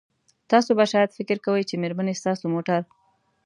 تاسو به شاید فکر کوئ چې میرمنې ستاسو موټر